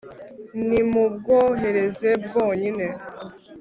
ntimubwohereze bwonyine